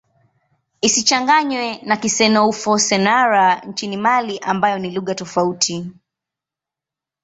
Isichanganywe na Kisenoufo-Syenara nchini Mali ambayo ni lugha tofauti.